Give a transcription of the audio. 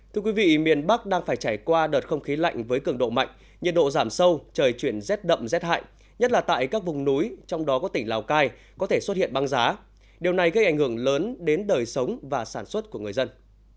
thưa quý vị miền bắc đang phải trải qua đợt không khí lạnh với cường độ mạnh nhiệt độ giảm sâu trời chuyển rét đậm rét hại nhất là tại các vùng núi trong đó có tỉnh lào cai có thể xuất hiện băng giá điều này gây ảnh hưởng lớn đến đời sống và sản xuất của người dân